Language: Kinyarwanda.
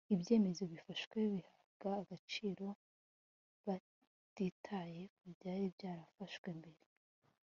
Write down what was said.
Ibyemezo bifashwe bihabwa agaciro batitaye ku byaribyafashwe mbere